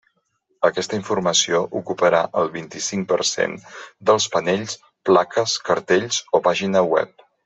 Aquesta informació ocuparà el vint-i-cinc per cent dels panells, plaques, cartells o pàgina web.